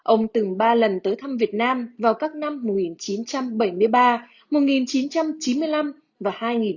ông từng ba lần tới thăm việt nam vào các năm một nghìn chín trăm bảy mươi ba một nghìn chín trăm chín mươi năm và hai nghìn một mươi ba